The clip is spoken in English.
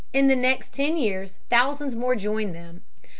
In the next ten years thousands more joined them.